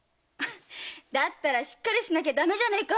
だったらしっかりしなきゃダメじゃねえか！